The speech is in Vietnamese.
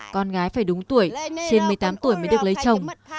con gái phải đúng tuổi trên một mươi tám tuổi mới được lấy chồng